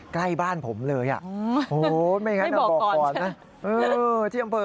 ใกล้บ้านผมเลยอ่ะโอ้โหไม่ไงน้องบอกก่อนนะ